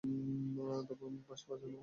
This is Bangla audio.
তবে আমি বাঁশি বাজাবো না।